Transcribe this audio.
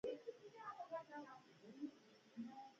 آکسفورډ پوهنتون چاپ کړی وو.